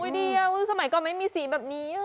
เดียวสมัยก่อนไม่มีสีแบบนี้